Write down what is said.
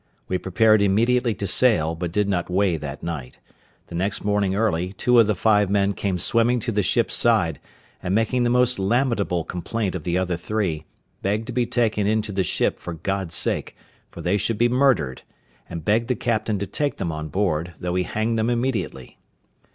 We prepared immediately to sail, but did not weigh that night. The next morning early, two of the five men came swimming to the ship's side, and making the most lamentable complaint of the other three, begged to be taken into the ship for God's sake, for they should be murdered, and begged the captain to take them on board, though he hanged them immediately.